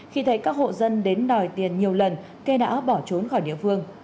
khi thấy các hộ dân đến đòi tiền nhiều lần kê đã bỏ trốn khỏi địa phương